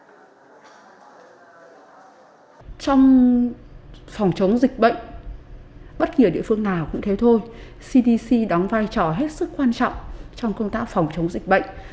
trong phòng chống dịch bệnh bất kỳ địa phương nào cũng thế thôi cdc đóng vai trò hết sức quan trọng trong công tác phòng chống dịch bệnh